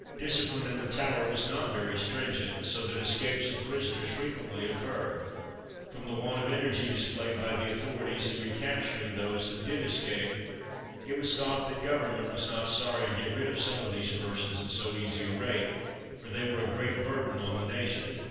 Discipline in the Tower was not very stringent, so that escapes of prisoners frequently occurred. From the want of energy displayed by the authorities in recapturing those that did escape, it was thought that government was not sorry to get rid of some of these persons at so easy a rate, for they were a great burden on the nation.